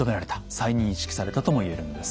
再認識されたとも言えるんです。